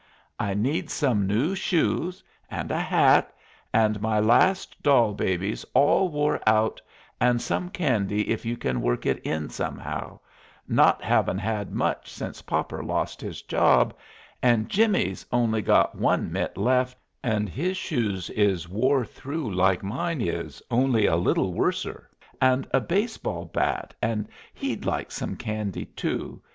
I nede some noo shues and a hatt and my lasst dol babys all wore out and sum candy if you can work it in sumhow, not havin had much since popper lost his jobb, and jimmies only gott one mitt left and his shues is wore throo like mine is only a little worser, and a baseball batt and hed like sum candy to.